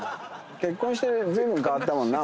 結婚してずいぶん変わったもんな？